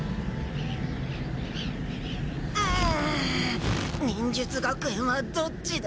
うん忍術学園はどっちだ。